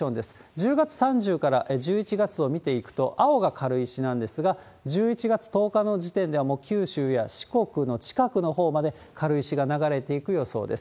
１０月３０から１１月を見ていくと、青が軽石なんですが、１１月１０日の時点では、もう九州や四国の近くのほうまで軽石が流れていく予想です。